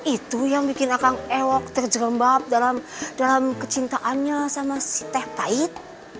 itu yang bikin aka ngewok terjelembab dalam kecintaannya sama si teteh pahit